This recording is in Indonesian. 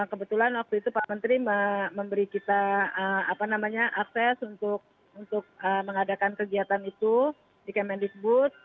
kebetulan waktu itu pak menteri memberi kita akses untuk mengadakan kegiatan itu di kemendikbud